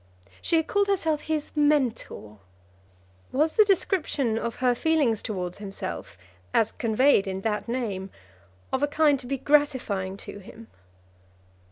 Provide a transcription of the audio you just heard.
She had called herself his mentor. Was the description of her feelings towards himself, as conveyed in that name, of a kind to be gratifying to him?